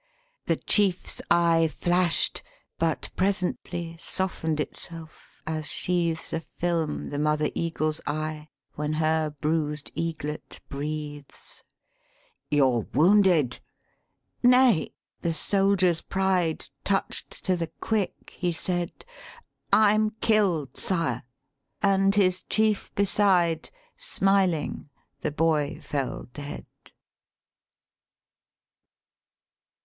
The chief's eye flashed; but presently Softened itself, as sheathes A film the mother eagle's eye When her bruised eaglet breathes; 'You're wounded!' 'Nay,' the soldier's pride Touched to the quick, he said: 'I'm killed, Sire!' And his chief beside, Smiling the boy fell dead."